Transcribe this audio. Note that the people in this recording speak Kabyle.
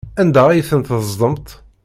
Anda ay ten-teddzemt?